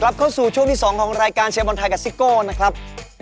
เข้าสู่ช่วงที่๒ของรายการเชียร์บอลไทยกับซิโก้นะครับ